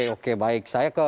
oke baik saya ke